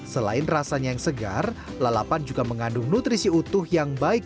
selain rasanya yang segar lalapan juga mengandung nutrisi utuh yang baik